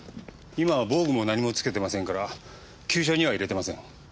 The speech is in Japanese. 今は防具も何もつけてませんから急所には入れてません。